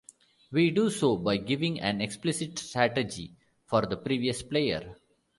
We do so by giving an explicit strategy for the previous player.